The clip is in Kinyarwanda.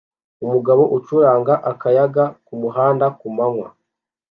Umugabo ucuranga akayaga kumuhanda kumanywa